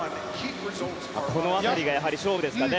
この辺りが勝負ですかね。